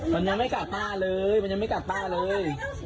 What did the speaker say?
มันยังไม่กัดป้าเลยมันยังไม่กัดป้าเลย